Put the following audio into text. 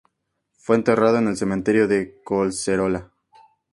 Fue enterrado en el Cementerio de Collserola.